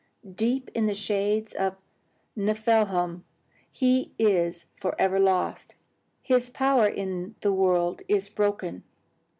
Deep in the shades of Niffelheim he is lost forever. His power in the world is broken.